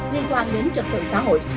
liên quan đến trực tự xã hội